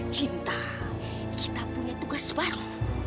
cinta kita punya tugas baru